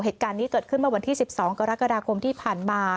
เหตุการณ์นี้เกิดขึ้นเมื่อวันที่๑๒กรกฎาคมที่ผ่านมา